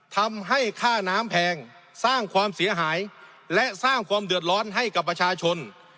ทำให้ค่าน้ำแพงสร้างความเสียหายและสร้างความเดือดร้อนให้กับประชาชน